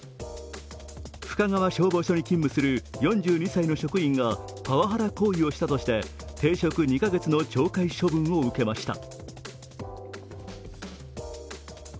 深川消防署に勤務する４２歳の職員がパワハラ行為をしたとして停職２カ月の懲戒処分を受けました。